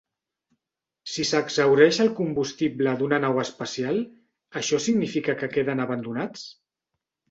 Si s'exhaureix el combustible d'una nau espacial, això significa que queden abandonats?